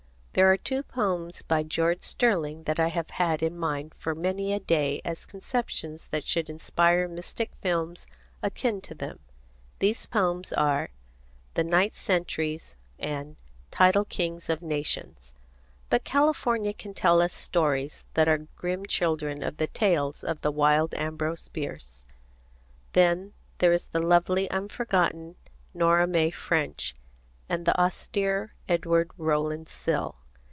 There are two poems by George Sterling that I have had in mind for many a day as conceptions that should inspire mystic films akin to them. These poems are The Night Sentries and Tidal King of Nations. But California can tell us stories that are grim children of the tales of the wild Ambrose Bierce. Then there is the lovely unforgotten Nora May French and the austere Edward Rowland Sill.